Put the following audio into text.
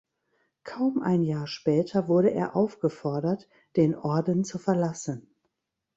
Kaum ein Jahr später wurde er aufgefordert, den Orden zu verlassen.